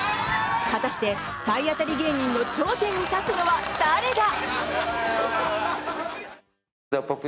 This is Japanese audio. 果たして、体当たり芸人の頂点に立つのは誰だ。